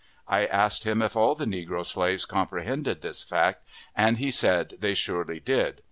I asked him if all the negro slaves comprehended this fact, and he said they surely did.